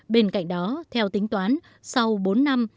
bên cạnh đó theo tính toán sau bốn năm